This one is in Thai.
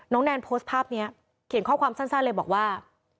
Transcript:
แนนโพสต์ภาพนี้เขียนข้อความสั้นเลยบอกว่า